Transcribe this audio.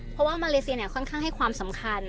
เพราะว่ามาเลเซียเนี่ยค่อนข้างให้ความสำคัญ